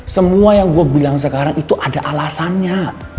semua yang gue bilang sekarang itu ada alasannya